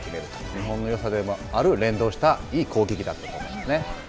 日本のよさでもある連動したいい攻撃だったと思いますね。